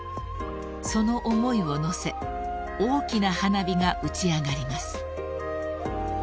［その思いを乗せ大きな花火が打ち上がります］